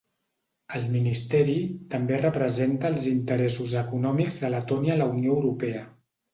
El ministeri també representa els interessos econòmics de Letònia a la Unió Europea.